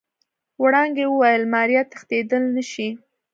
وړانګې وويل ماريا تښتېدل نشي.